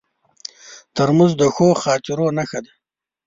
ترموز د ښو خاطرو نښه ده.